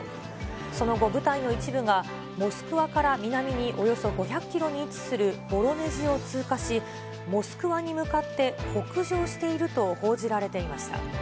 その後、部隊の一部がモスクワから南におよそ５００キロに位置するボロネジを通過し、モスクワに向かって北上していると報じられていました。